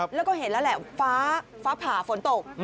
แล้วก็เห็นแล้วแหละฟ้าฟ้าผ่าฝนตก